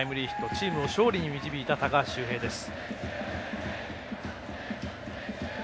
チームを勝利に導いた高橋周平です。